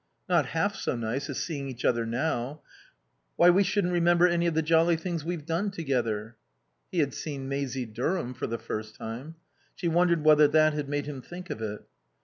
"Not half so nice as seeing each other now. Why, we shouldn't remember any of the jolly things we've done: together." He had seen Maisie Durham for the first time. She wondered whether that had made him think of it.